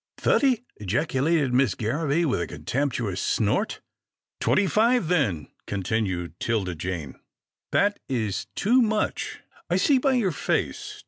" Thutty !" ejaculated Miss Garraby with a con temptuous snort. Twenty five, then," continued 'Tilda Jane. " That is too much, I see by your face.